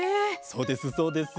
そうですそうです。